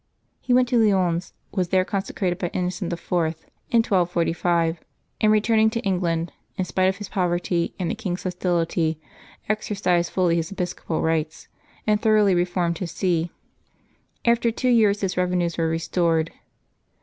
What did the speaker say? He went to Lyons, was there consecrated by Innocent IV. in 1245, and return ing to England, in spite of his poverty and the king's hos tility, exercised fully his episcopal rights, and thoroughly reformed his see. After two years his revenues were re stored.